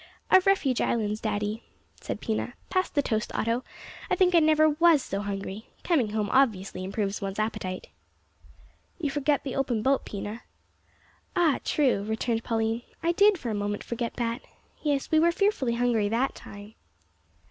"Of Refuge Islands, daddy," said Pina; "pass the toast, Otto, I think I never was so hungry. Coming home obviously improves one's appetite." "You forget the open boat, Pina." "Ah, true," returned Pauline, "I did for a moment forget that. Yes, we were fearfully hungry that time."